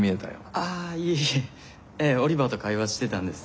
ああいえいえええオリバーと会話してたんです。